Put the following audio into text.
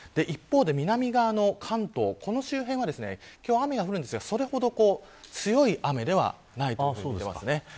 一方で南側の関東周辺は雨が降るんですがそれほど強い雨ではないです。